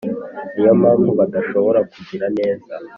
niyo mpamvu badashobora kugira neza?"